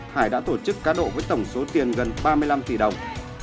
hải đã tổ chức cá độ với tổng số tiền gần ba mươi năm tỷ đồng